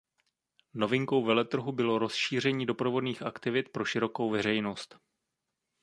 Novinkou veletrhu bylo rozšíření doprovodných aktivit pro širokou veřejnost.